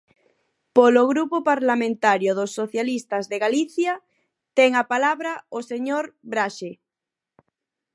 Polo Grupo Parlamentario dos Socialistas de Galicia, ten a palabra o señor Braxe.